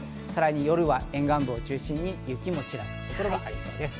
夜は沿岸部を中心に雪もちらつくことがありそうです。